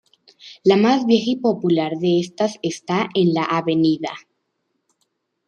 La más vieja y popular de estas esta en la Av.